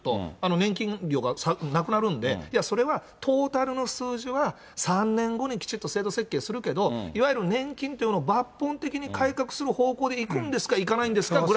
年金料がなくなるんで、いや、それはトータルの数字は、３年後にきちっと制度設計するけど、いわゆる年金ってものを抜本的に改革する方向でいくんですか、いかないんですか？